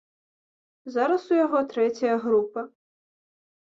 Зараз у яго трэцяя група.